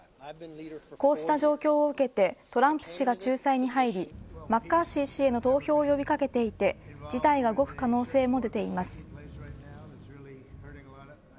こうした状況を受けてトランプ氏が仲裁に入りマッカーシー氏への投票を呼び掛けていて事態が動く可能性も出ています。